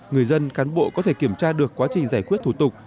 người dân cán bộ có thể kiểm tra được quá trình giải quyết thủ tục